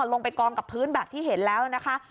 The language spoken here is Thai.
ลงไปกองกับพื้นแบบที่เห็นแล้วนะคะ